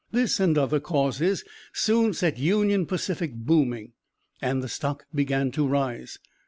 This and other causes soon set Union Pacific "booming," and the stock began to rise.